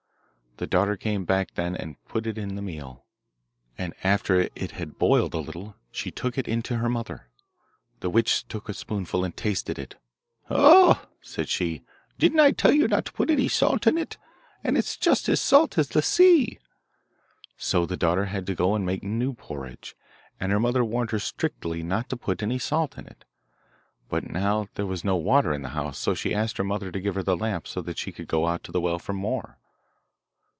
The daughter came back then and put in the meal, and after it had boiled a little she took it in to her mother. The witch took a spoonful and tasted it. 'Uh!' said she; 'didn't I tell you not to put any salt in it, and it's just as salt as the sea.' So the daughter had to go and make new porridge, and her mother warned her strictly not to put any salt in it. But now there was no water in the house, so she asked her mother to give her the lamp, so that she could go to the well for more.